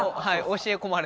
教え込まれて。